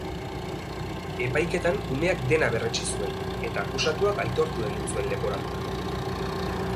Epaiketan umeak dena berretsi zuen eta akusatuak aitortu egin zuen leporatutakoa.